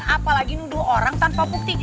apalagi nuduh orang tanpa bukti